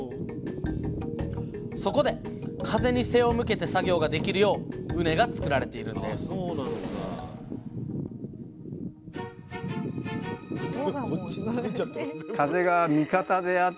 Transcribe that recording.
そこで風に背を向けて作業ができるよう畝が作られているのです難しいところです